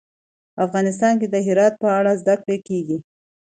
افغانستان کې د هرات په اړه زده کړه کېږي.